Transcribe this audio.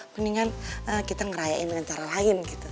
mendingan kita ngerayain dengan cara lain gitu